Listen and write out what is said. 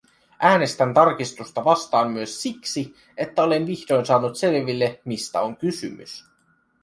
Äänestän tarkistusta vastaan myös siksi, että olen vihdoin saanut selville, mistä on kysymys.